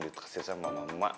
ditaksir sama emak emak